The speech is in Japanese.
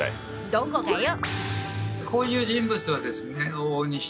どこがよ！